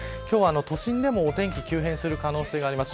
都心でも天気が急変する可能性があります。